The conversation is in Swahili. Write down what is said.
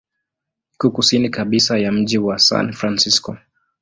Iko kusini kabisa ya mji wa San Francisco.